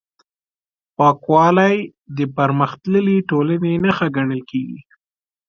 پاکوالی د پرمختللې ټولنې نښه ګڼل کېږي.